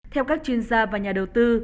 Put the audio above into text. theo các chuyên gia và nhà đầu tư